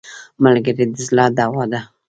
ملګری د زړه دوا ده